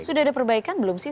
sudah ada perbaikan belum sih